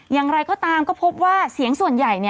อย่างไรก็ตามก็พบว่าเสียงส่วนใหญ่